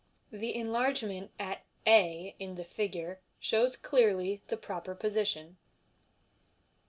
(The enlargement at a in the figure shows clearly the proper position.)